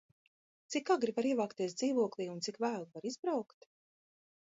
Cik agri var ievākties dzīvoklī un cik vēlu var izbraukt?